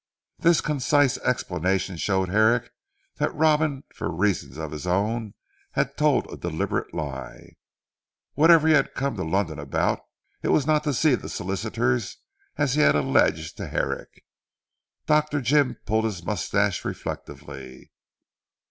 This concise explanation showed Herrick that Robin for reasons of his own had told a deliberate lie. Whatever he had come to London about, it was not to see the Solicitors as he had alleged to Herrick. Dr. Jim pulled his moustache reflectively.